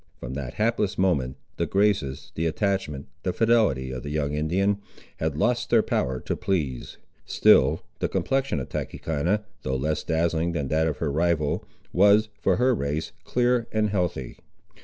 From that hapless moment the graces, the attachment, the fidelity of the young Indian, had lost their power to please. Still the complexion of Tachechana, though less dazzling than that of her rival, was, for her race, clear and healthy.